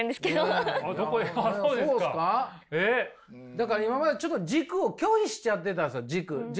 だから今までちょっと軸を拒否しちゃってたんですよ。軸軸。